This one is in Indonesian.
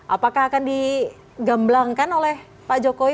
apakah akan digamblangkan oleh pak jokowi